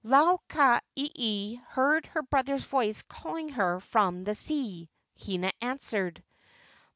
Lau ka ieie heard her brother's voice calling her from the sea. Hina answered.